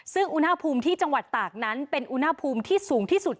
ซึ่งอุณหภูมิที่จังหวัดตากนั้นเป็นอุณหภูมิที่สูงที่สุด